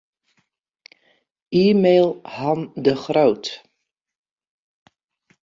E-mail Han de Groot.